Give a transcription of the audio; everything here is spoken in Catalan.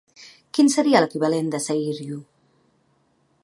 Quin seria l'equivalent de Seiryu?